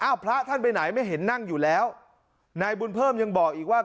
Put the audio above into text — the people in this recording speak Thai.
พระท่านไปไหนไม่เห็นนั่งอยู่แล้วนายบุญเพิ่มยังบอกอีกว่า